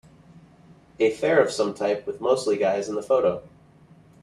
A fair of some type with mostly guys in the photo.